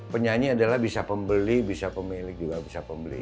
penyanyi adalah bisa pembeli bisa pemilik juga bisa pembeli